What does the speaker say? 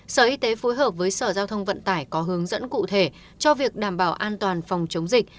sở y tế phối hợp với sở giao thông vận tải có hướng dẫn cụ thể cho việc đảm bảo an toàn phòng chống dịch